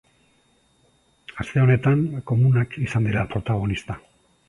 Aste honetan, komunak izan dira protagonista.